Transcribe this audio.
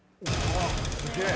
すげえ。